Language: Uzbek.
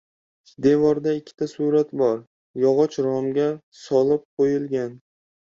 Devorda ikkita surat bor. Yog‘och romga solib qo‘yilgan.